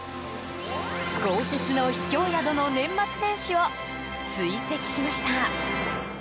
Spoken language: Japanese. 豪雪の秘境宿の年末年始を追跡しました。